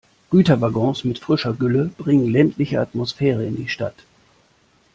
Güterwaggons mit frischer Gülle bringen ländliche Atmosphäre in die Stadt.